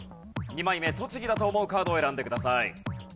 ２枚目栃木だと思うカードを選んでください。